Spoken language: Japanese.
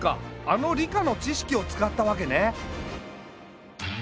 あの理科の知識を使ったわけね。